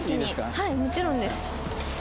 はいもちろんです。